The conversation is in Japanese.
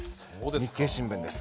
日経新聞です。